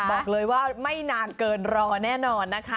บอกเลยว่าไม่นานเกินรอแน่นอนนะคะ